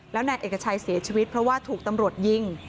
แล้วนายเอกชัยเสียชีวิตเพราะว่าถูกตำรวจยิง